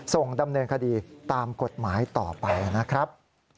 ส่งดำเนินคดีตามกฎหมายต่อไปนะครับ